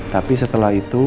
tapi setelah itu